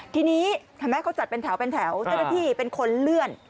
ทีนี้เขาจัดเป็นแถวเจ้าหน้าที่เป็นคนเลื่อน